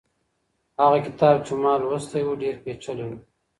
هغه کتاب چي ما لوستی و، ډېر پېچلی و.